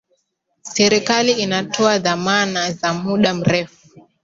serikali inatoa dhamana za muda mrefu